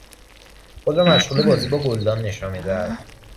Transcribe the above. خود را مشغول بازی با گلدان نشان میدهد